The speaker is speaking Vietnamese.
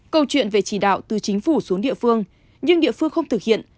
câu chuyện về chỉ đạo từ chính phủ xuống địa phương nhưng địa phương không thực hiện